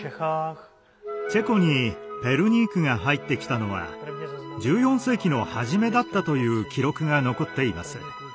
チェコにペルニークが入ってきたのは１４世紀の初めだったという記録が残っています。